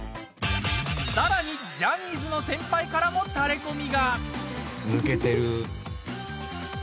さらに、ジャニーズの先輩からもタレコミが。